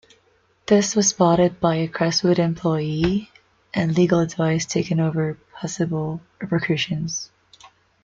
This was spotted by a Crestwood employee, and legal advice taken over possible repercussions.